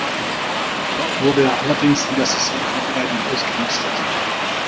Dort wurde er allerdings in der Saisonvorbereitung ausgemustert.